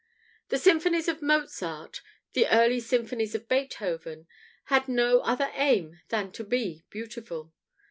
The symphonies of Mozart, the early symphonies of Beethoven, had no other aim than to be beautiful.